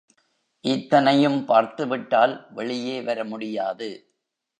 இத்தனையும் பார்த்து விட்டாலும் வெளியே வர முடியாது.